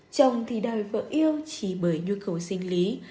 chồng thì đòi vợ yêu chỉ bởi nhu cầu sinh lý